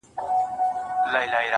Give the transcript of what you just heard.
چي مخامخ په څېر د ستورو وي رڼاوي پاشي